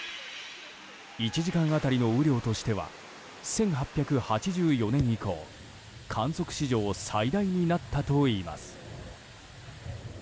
１時間当たりの雨量としては１８８４年以降観測史上最大になったといいます。